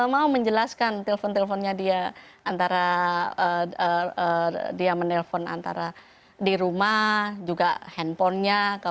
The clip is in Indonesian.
mau menjelaskan telepon teleponnya dia antara dia menelpon antara di rumah juga handphonenya ke